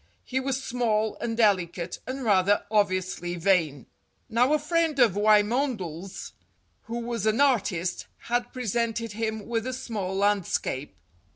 He was small and delicate, and rather obviously vain. Now a friend of Wymondel's, who was an artist, had presented him with a small landscape.